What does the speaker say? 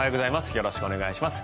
よろしくお願いします。